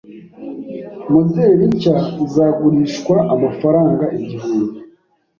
Moderi nshya izagurishwa amafaranga igihumbi.